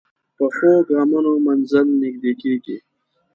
پخو ګامونو منزل نږدې کېږي